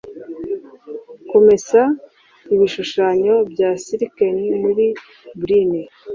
Kumesa ibishushanyo bya silken muri brine